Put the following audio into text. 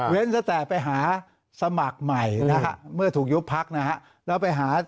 ไว้นะแต่ไปหาสมัครใหม่นะเหมือนถูกยุบพักนะแล้วไปหา